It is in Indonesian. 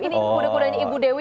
ini kuda kudanya ibu dewi